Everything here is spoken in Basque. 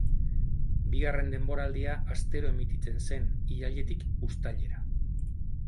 Bigarren denboraldia astero emititzen zen, irailetik uztailera.